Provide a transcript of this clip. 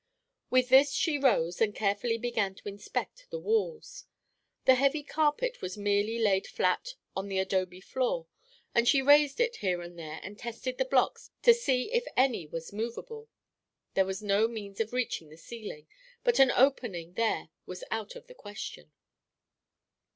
With this she rose and carefully began to inspect the walls. The heavy carpet was merely laid flat on the adobe floor and she raised it here and there and tested the blocks to see if any was movable. There was no means of reaching the ceiling but an opening there was out of the question.